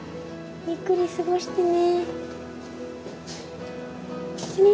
ゆっくり過ごしてね。